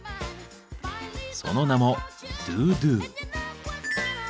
その名も「ドゥドゥ」。